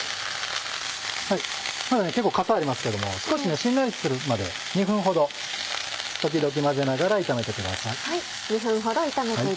まだ結構かさありますけども少ししんなりするまで２分ほど時々混ぜながら炒めてください。